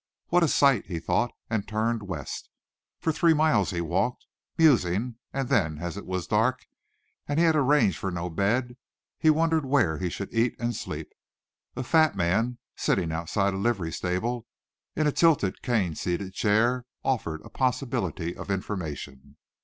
What a sight, he thought, and turned west. For three miles he walked, musing, and then as it was dark, and he had arranged for no bed, he wondered where he should eat and sleep. A fat man sitting outside a livery stable door in a tilted, cane seated chair offered a possibility of information.